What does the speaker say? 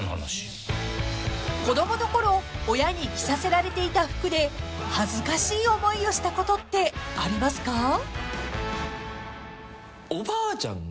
［子供のころ親に着させられていた服で恥ずかしい思いをしたことってありますか？］